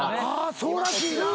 そうらしいな。